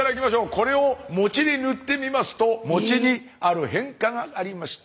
これをもちに塗ってみますともちにある変化がありました。